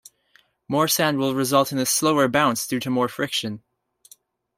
More sand will result in a slower bounce due to more friction.